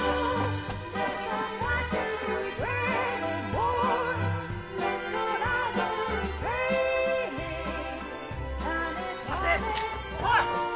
おい！